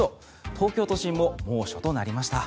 東京都心も猛暑となりました。